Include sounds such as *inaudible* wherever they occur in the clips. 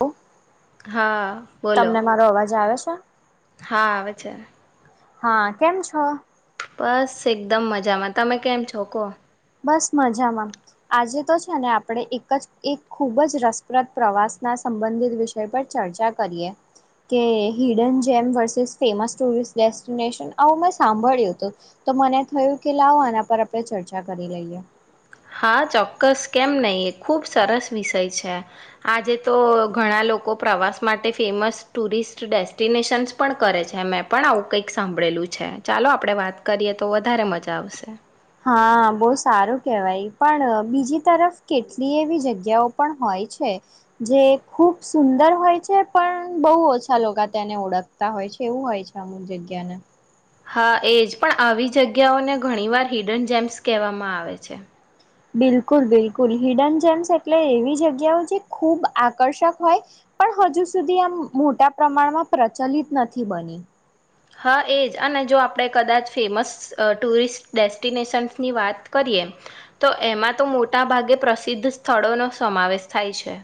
ઓ હા તમને બોલો મારો અવાજ આવે છે ત હા આવે છે હા કેમ છો બસ એકદમ મજામાં તમે કેમ છોકોહ બસ મજામાં આજે તો છે ને આપણેે એક જ એક ખૂબ જ રસપ્રદ પ્રવાસ ના સંબંધિત વિષય પર ચર્ચા કરીએ કે હિડન જેમ વર્સિસ ફેમસ ટુરિસ્ટ ડેસ્ટિનેશન આવું મેં સાંભળ્યું હતું તો મને થયું કે લાવો આના પર આપણે ચર્ચા ચર્ચા કરી લઈએ. હા, ચોક્કસ કેમ નય ખુબ સરસ વિષય છે. આજે તો ઘણાં લોકો પ્રવાસ માટે ફેમસ ટુરિસ્ટ ડેસ્ટિનેશન્સ પણ કરે છે. મેં પણ આવું કંઈક સાંભળેલું છે. ચાલો આપડે વાત કરીએ તો વધારે મજા આવશે. હા, બહુ સારું કેવાય પણ બીજી તરફ કેટલી એવી જગ્યાઓ પણ હોય છે. જે ખુબ સુંદર હોય છે. પણ બહુ ઓછા લોકો તેને ઓળખતા હોય છે. એવું હોય છે. અમુક જગ્યાને. હા, એજ પણ આવી જગ્યાઓને ઘણી વાર હિડન જેમ્સ કેવામાં આવે છે. બિલકુલ બિલકુલ. હિડન જેમ્સ એટલે એવી જગ્યાઓ જે ખૂબ આકર્ષક હોય પણ હજુ સુધી આમ મોટા પ્રમાણમાં પ્રચલિત નથી બની. હા, એજ અને જો આપણે કદાચ ફેમસ ટુરિસ્ટ ડેસ્ટિનેશન્સની વાત કરીએ તો એમાં તો મોટા ભાગે પ્રસિદ્ધ સ્થળોનો સમાવેશ થાય છે.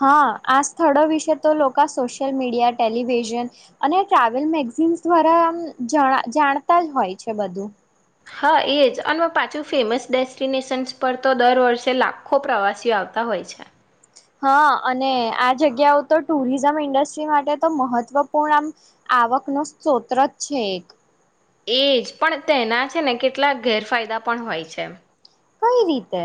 હા, આ સ્થળો વિશે તો લોકા સોશિયલ મીડિયા, ટેલિવિઝન અને ટ્રાવેલ મેગઝિન્સ દ્વારા આમ જાણતા જ હોય છે બધું. હા, એજ અમાં પાછું ફેમસ ડેસ્ટિનેશન્સ પર તો દર વર્ષે લાખો પ્રવાસીઓ આવતા હોય છે. હા, અને આ જગ્યાઓ તો ટુરિઝમ ઇન્ડસ્ટ્રી માટે તો મહત્વપૂર્ણ આમ આવકનો સ્રોતજ છે એક. એજ પણ તેના છેને કેટલાક ગેરફાયદા પણ હોય છે. કઈ રીતે?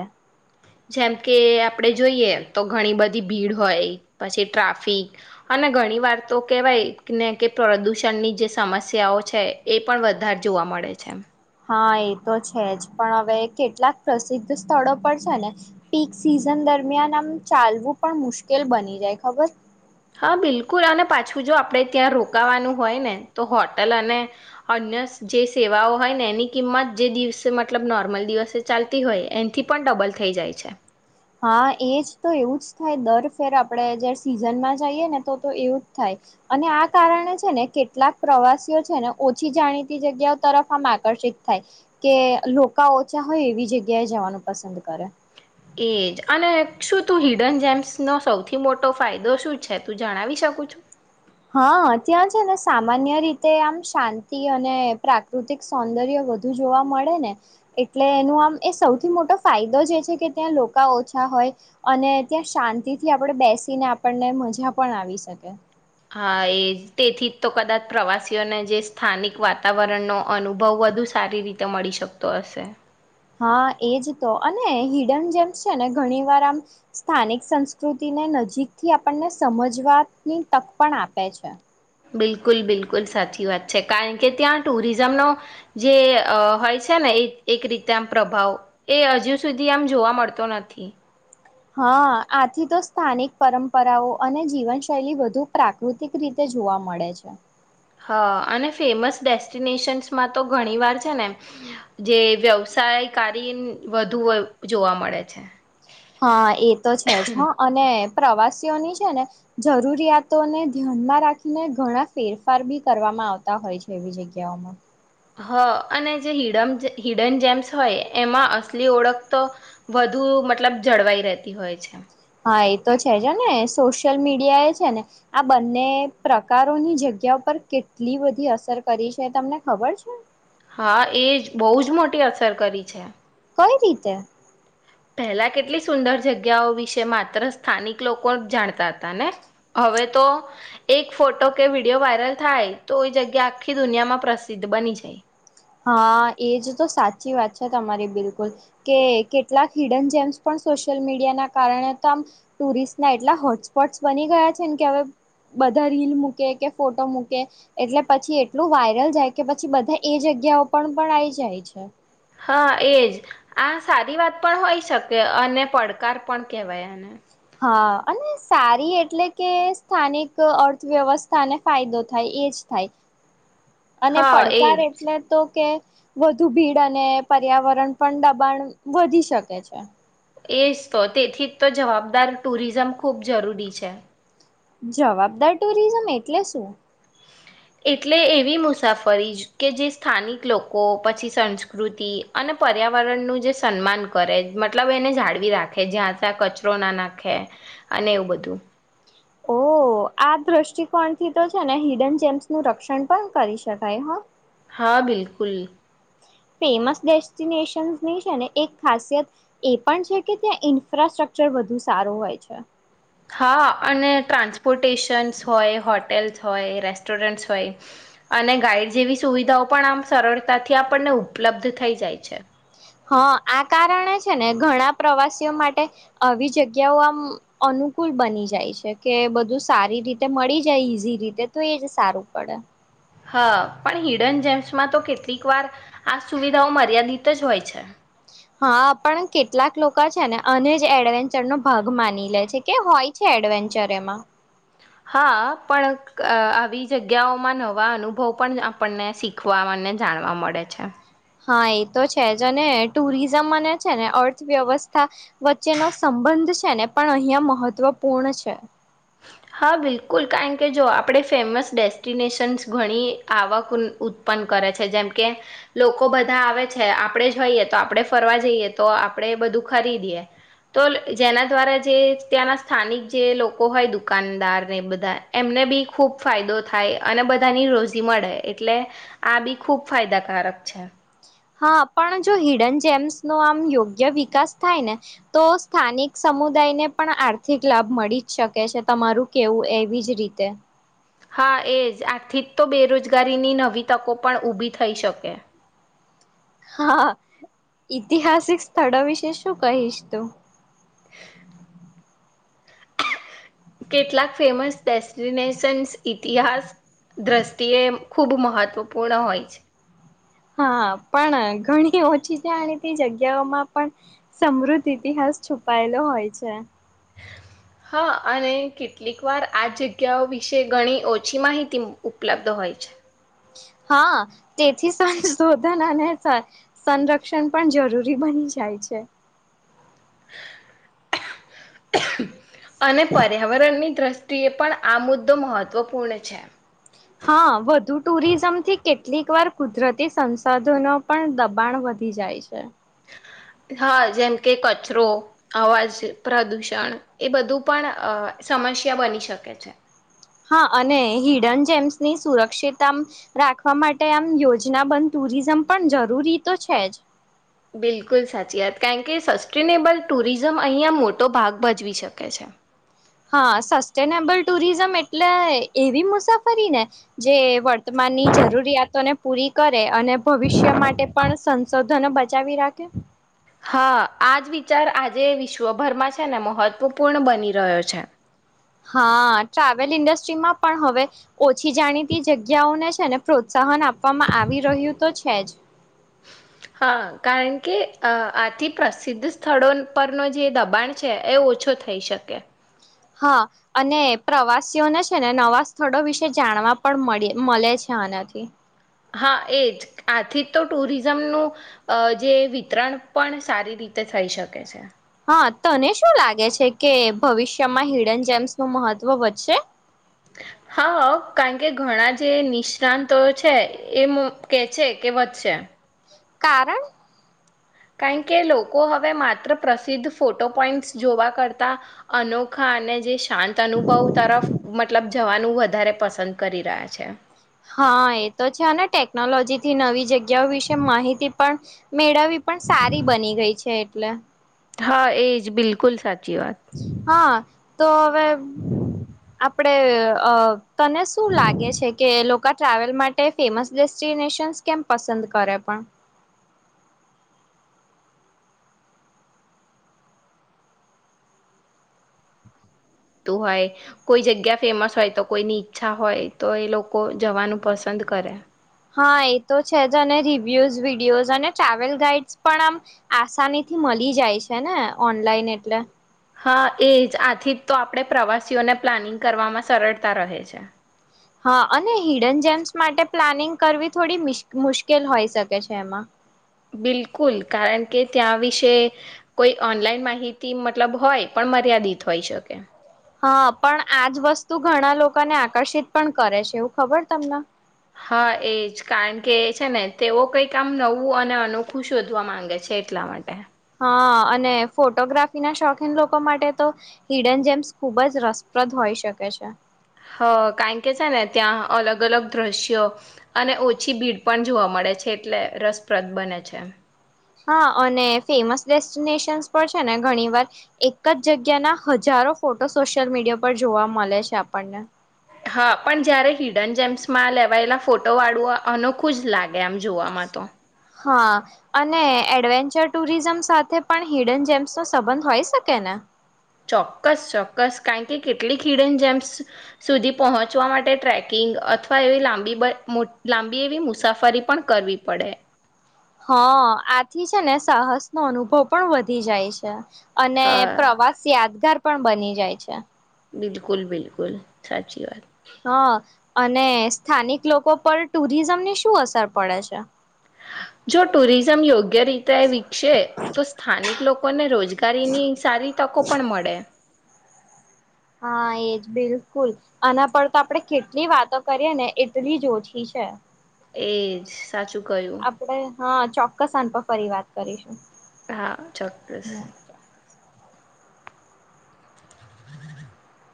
જેમ કે આપડે જોઈએ તો ઘણી બધી ભીડ હોય પછી ટ્રાફિક અને ઘણી વાર તો કેવાય નેકે પ્રદુષણની જે સમસ્યાઓ છે એ પણ વધારે જોવા મળે છે. હા, એતો છેજ પણ હવે કેટલાક પ્રસિદ્ધ સ્થળો પર છેને પીક સિઝન દરમિયાન આમ ચાલવું પણ મુશ્કેલ બની જાય ખબર. હા, બિલકુલ અને પાછું જો આપણે ત્યાં રોકાવાનું હોય ને તો હોટલ અને અન્ય જે સેવાઓ હોય ને એની કિંમત જે દિવસે મતલબ નોર્મલ દિવસે ચાલતી હોય એથી પણ ડબલ થઈ જાય છે. હા, એજ તો એવું જ થાય દર ફેર આપણેે જ સિઝનમાં જઈએ ને તો તો એવું જ થાય અને આ કારણે છેને કેટલાક પ્રવાસીઓ છેને ઓછી જાણીતી જગ્યાઓ તરફ આમ આકર્ષિત થાય કે લોકો ઓછા હોય એવી જગ્યાએ જવાનું પસંદ કરે. એજ અને શુંતું હિડન જેમ્સનો સૌથી મોટો ફાયદો શું છે. તું જણાવી શકું છું? હા, ત્યાં છેને સામાન્ય રીતે આમ શાંતિ અને પ્રાકૃતિક સૌંદર્ય વધુ જોવા મળેને એટલે એનું આમ એ સૌથી મોટો ફાયદો જ છે કે ત્યાં લોકો ઓછા હોય અને ત્યાં શાંતિથી આપણે બેસીને આપણને મજા પણ આવી શકે. હા, એ તેથી જ તો કદાચ પ્રવાસીઓને જે સ્થાનિક વાતાવરણનો અનુભવ વધુ સારી રીતે મળી શકતો હશે. હા, એજતો અને હિડન જેમ છેને ઘણી વાર આમ સ્થાનિક સંસ્કૃતિને નજીકથી આપણને સમજવાની તક પણ આપે છે. બિલકુલ બિલકુલ. સાચી વાત છે. કારણ કે ત્યાં ટુરિઝમનો જે હોય છે ને એક એક રીતે આમ પ્રભાવ એ હજુ સુધી આમ જોવા મળતો નથી. હા, આથી તો સ્થાનિક પરંપરાઓ અને જીવનશૈલી વધુ પ્રાકૃતિક રીતે જોવા મળે છે. હા, અને ફેમસ ડેસ્ટિનેશન્સમાં તો ઘણી વાર છેને જે વ્યવસાયકારી વધુ જોવા મળે છે. હા, એતો છેજ હ અને. પ્રવાસીઓની છેને જરૂરિયાતોને ધ્યાનમાં રાખીને ઘણા ફેરફાર બી કરવામાં આવતા હોય છે એવી જગ્યાઓમાં. હ અને જે હડ હિડન જેમ્સ હોય એમાં અસલી ઓળખ તો વધુ મતલબ જળવાઈ રહેતી હોય છે. હા, એતો છેજને સોશિયલ મીડિયા એ છેને આ બંને પ્રકારોની જગ્યા પર કેટલી બધી અસર કરી છે તમને ખબર છે. હા, એજ બહુ જ મોટી અસર કરી છે. કઈ રીતે? પહેલા કેટલી સુંદર જગ્યાઓ વિશે માત્ર સ્થાનિક લોકો જાણતા હતા ને હવે તો એક ફોટો કે વિડીયો વાયરલ થાય તો એ જગ્યા આખી દુનિયામાં પ્રસિદ્ધ બની જાય. હા, એજ તો સાચી વાત છે. તમારી બિલકુલ કે કેટલાક હિડન જેમ્સ પણ સોશિયલ મીડિયા ના કારણે તો આમ ટુરિસ્ટના એટલા હોટસ્પોટ્સ બની ગયા છે ને કે હવે બધા રીલ મૂકે કે ફોટો મૂકે એટલે પછી એટલું વાયરલ જાય કે પછી બધા એ જગ જગ્યાઓ પણ પણ આઈ જાય છે. હા, એજ આ સારી વાત પણ હોય શકે અને પડકાર પણ કેહેવાય આને. હા, અને સારી એટલે કે સ્થાનિક અર્થવ્યવસ્થાને ફાયદો થાય એજ થાય. અને હા એજ પડકાર એટલે તો કે. વધુ ભીડ અને પર્યાવરણ પણ દબાણ વધી શકે છે. એજ તો તેથી જ તો જવાબદાર ટુરિઝમ ખૂબ જરૂરી છે. જવાબદાર ટુરિઝમ એટલે શું? એટલે એવી મુસાફરી કે જે સ્થાનિક લોકો પછી સંસ્કૃતિ અને પર્યાવરણનું જે સન્માન કરે મતલબ એને જાળવી રાખે જ્યાં ત્યાં કચરોના નાખે અને એવું બધું. ઓ આ દ્રષ્ટિકોણથી તો છેને હિડન જેમ્સનું રક્ષણ પણ કરી શકાય હા. હા, બિલકુલ. ફેમસ ડેસ્ટિનેશન્સની છેને એક ખાસિયત એ પણ છે કે ત્યાં ઇન્ફ્રાસ્ટ્રક્ચર વધુ સારું હોય છે. હા, અને ટ્રાન્સપોર્ટેશનસ હોય હોટ હોટેલ્સ હોય રેસ્ટોરન્ટ હોય અને ગાઈડ જેવી સુવિધાઓ પણ આમ સરળતાથી આપણને ઉપલબ્ધ થઈ જાય છે. હ, આ કારણે છેને ઘણા પ્રવાસીઓ માટે આવી જગ્યાઓ આમ અનુકૂળ બની જાય છે કે બધું સારી રીતે મળી જાય ઈઝી રીતે તો એ જ સારું પડે. હા, પણ હિડન જેમ્સમાં તો કેટલીક વાર આ સુવિધાઓ મર્યાદિત જ હોય છે. હા, પણ કેટલાક લોકા છેને આનેજ એડવેન્ચરનો ભાગ માની લે છે કે હોય છે એડવેન્ચર એમાં. હા, પણ આવી જગ્યાઓમાં નવા અનુભવ પણ આપણને શીખવા અને જાણવા મળે છે. હા એ તો છે જ અને ટુરિઝમ મને છે ને અર્થવ્યવસ્થા વચ્ચેનો સંબંધ છે ને પણ અહિયાં મહત્વપૂર્ણ છે. હા બિલકુલ કારણ કે જો આપણે ફેમસ ડેસ્ટિનેશન્સ ઘણી આવક ઉત્પન્ન કરે છે જેમકે લોકો બધા આવે છે આપણે જ હોઈએ તો આપણે ફરવા જઈએ તો આપણે બધું ખરીદીએ તો જેના દ્વારા જે ત્યાંના સ્થાનિક જે લોકો હોય દુ દુકાનદાર ને બધા એમને બી ખુબ ફાયદો થાય અને બધાની રોજી મળે એટલે આ બી ખુબ ફાયદાકારક છે. હા પણ જો હિડન જેમ્સ નો આમ યોગ્ય વિકાસ થાય ને તો સ્થાનિક સમુદાયને પણ આર્થિક લાભ મળી જ શકે છે તમારું કેવું એવી જ રીતે હા એજ આર્થિક ક તો બેરોજગારીની નવી તકો પણ ઊભી થઈ શકે હા ઈતિહાસિક સ્થળો વિશે શું કહીશ તું કેટલાક ફેમસ ડેસ્ટિનેશન્સ ઇતિહાસ દ્રષ્ટિએ‌‌ ખૂબ મહત્વપૂર્ણ હોય છે. હા પણ ઘણી ઓછી છે આ તે જગ્યાઓમાં પણ સમૃદ્ધ ઇતિહાસ છુપાયેલો હોય છે. હા અને કેટલીક વાર આ જગ્યાઓ વિશે ઘણી ઓછી માહિતી ઉપલબ્ધ હોય છે. હા તેથી સંશોધન અને સંરક્ષણ પણ જરૂરી બની જાય છે. *unintelligible* અને પર્યાવરણની દ્રષ્ટિએ પણ આ મુદ્દો મહત્વપૂર્ણ છે. હા વધ ધુ ટુરિઝમ થી કેટ કેટલીક વાર કુદરતી સંસાધનો પણ દબાણ વધી જાય છે. હા જેમ કે કચરો અવાજ પ્રદુષણ એ બધું પણ અ સમસ્યા બની શકે છે. હા અને હિડન જેમ્સની સુરક્ષીતામ રાખવા માટે આમ યોજના બંધ ટુરિઝમ પણ જરૂરી તો છે જ બિલકુલ સાચી વાત કારણ કે સસ્ટેનેબલ ટુરિઝમ અહીયા મોટો ભાગ ભજવી શકે છે. હા સસ્ટેનેબલ ટુરિઝમ એટલે એવી મુસાફરી ને જે વર્તમાનની જરૂરિયાતોને પૂરી કરે અને ભવિષ્ય માટે પણ સંશોધનો બચાવી રાખે હા આ જ વિચાર આજે વિશ્વભરમાં છે ને મહત્વપૂર્ણ બની રહ્યો છે. હા ટ્રાવેલ ઇન્ડસ્ટ્રીમાં પણ હવે ઓછી જાણીતી જગ્યાઓને છે ને પ્રોત્સાહન આપ પવામાં આવી રહ્યું તો છે જ‌ હા કારણ કે અ આથી પ્રસિદ્ધ સ્થળોન પર નો જે દબાણ છે એ ઓછો થઈ શકે હા અને પ્રવાસીઓને છે ને નવા સ્થળો વિશે જાણવા પણ મળે મલે છે આનાથી હા એ જ આથી તો ટુરિઝમનું અ જે વિતરણ પણ સારી રીતે થઈ શકે છે. હા તને શું લાગે છે કે ભવિષ્યમાં હિડન જેમ્સનું મહત્વ વધશે હા કારણ કે ઘણા જે નિષ્ણાતો છે એ કે છે કે વધશે કારણ કારણ કે લોકો હવે માત્ર પ્રસિદ્ધ ફોટો પોઈન્ટસ જોવા કરતા અનોખા અને જે શાંત અનુભવ તરફ મતલબ જવાનું વધારે પસંદ કરી રહ્યા છે. હા એ તો છે અને ટેકનોલોજીથી નવી જ ગ્યા વિશે માહિતી પણ મેળવી પણ સારી બની ગઈ છે. એટલે હા એજ બિલકુલ સાચ હા, તો હવે આ પડે અ તને શું લાગે છે, કે એ લો ક ટ્રાવેલ માટે ફેમસ ડેસ્ટિનેશન્સ કેમ પસંદ કરે પણ. તુ હોય કોઈ જગ્યા ફેમસ હોય, તો કોઈની ઈચ્છા હોય, તો એ લોકો જવાનું પસંદ કરે. હા, એ તો છેજ, અને રિવ્યુઝ વિડીિયોઝ અને ટ્રાવેલ ગાઈડસ પણ આમ આસાનીથી મળી જાય છેને, ઓનલાઈન એટલે. હા, એજ આથી જ તો આપણે પ્રવાસીઓને પ્લાનિંગ કરવામાં સરળતા રહે છે. હા, અને હિડન જેમ્સ માટે પ્લાનિંગ કરવી થોડી, મિસ મુશ્કેલ હોઈ, શકે છે એમાં. બિલકુલ કારણ કે, ત્યાં વિશે કોઈ ઓનલાઈન માહિતી મતલબ હોય, પણ મર્યાદિત હોઈ શકે. હા, પણ આજ વસ્તુ ઘણા લોકોને આકર્ષિત પણ કરે છે, એવું ખબર તમને. હા, એજ કારણ કે એ છેને, તેઓ કઈ કામ નવું અને અનોખું શોધવા માંગે છે, એટલા માટે. હા, અને ફોટોગ્રાફી ના શોખીન લોકો માટે, તો હિડન જેમ્સ ખુબ જ રસપ્રદ હોઈ શકે છે. હ, કારણ કે છેને, ત્યાં અલગ અલગ દ્રશ્યો અને ઓછી ભીડ, પણ જોવા મળે છે, એટલે રસપ્રદ બને છે. હા, અને ફેમસ ડેસ્ટિનેશન્સ પર છેને, ઘણી વાર એક જ જગ્યાના હજારો ફોટો સોશિયલ મીડિયા પર જોવા મળે છે, આપણને. હા, પણ જયારે હિડન જેમ્સમાં લેવાયેલા ફોટો વાળું અનોખું જ લાગે, આમ જોવામાં તો. હા, અને એડવેન્ચર ટુરિઝમ સાથે પણ હિડન જેમ્સ, નો સંબંધ હોય, શકે ને? ચોક્કસ, ચોક્કસ કારણ કે કેટલીક હીડન જેમ્સ સુધી પહોંચવા માટે ટ્રેકિંગ, અથવા એવી લાંબી એવી મુસાફરી, પણ કરવી પડે. હા, આથી છેને, સાહસ નો અનુભવ પણ વધી જાય છે. અને, હા પ્રવાસ યાદગાર. પણ, બની જાય છે. બિલકુલ, બિલકુલ સાચ હા. અને સ્થાનિક લોકો, પર ટુરિઝમની શું અસર પડે છે. જો ટુરિઝમ યોગ્ય રીતે વિકસે તો સ્થાનિક લોકો ને રોજ ગારીની, સારી તકો પણ મળે. હા, એજ બિલકુલ આના પર તો આપડે કેટલી, વાતો કરીએ ને એટલી જ ઓછી છે. એજ. સાચું ક્યું. આપડે હા, ચોક્કસ અનપ ફરી વાત કરીશું. હા, ચોક્કસ. *inaudible*